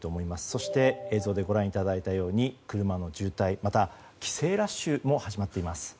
そして映像でご覧いただいたように車の渋滞、また帰省ラッシュも始まっています。